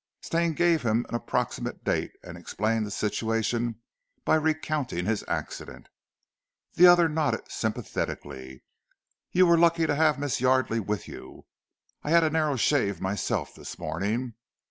Stane gave him an approximate date, and explained the situation by recounting his accident. The other nodded sympathetically. "You were lucky to have Miss Yardely with you. I had a narrow shave myself this morning.